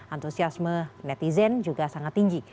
antusiasme netizen juga sangat tinggi